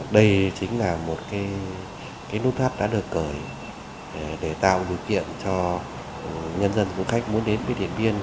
đây chính là một nút thắt đã được cởi để tạo điều kiện cho nhân dân du khách muốn đến với điện biên